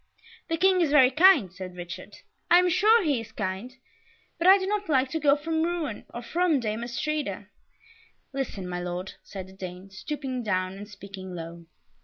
"The King is very kind," said Richard. "I am sure he is kind; but I do not like to go from Rouen, or from Dame Astrida." "Listen, my Lord," said the Dane, stooping down and speaking low.